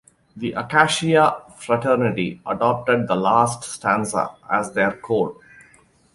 The Acacia Fraternity adopted the last stanza as their code.